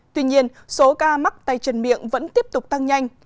tuy nhiên số ca mắc tay chân miệng vẫn tiếp tục tăng nhanh